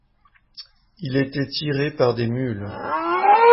Il était tiré par des mules.